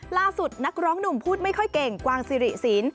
นักร้องหนุ่มพูดไม่ค่อยเก่งกวางสิริสิน